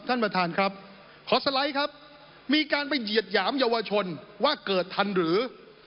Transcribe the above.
ท่านประธานครับขอสไลด์ครับมีการไปเหยียดหยามเยาวชนว่าเกิดทันหรือ